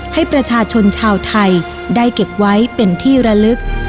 ให้ประชาชนชาวไทยได้เก็บไว้เป็นที่ระลึก